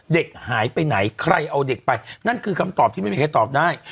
เด็กหายไปไหนใครเอาเด็กไปนั่นคือคำตอบที่ไม่มีใครตอบได้